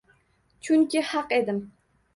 Chunki haq edim.